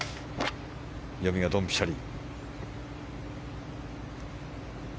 読みがドンピシャリ。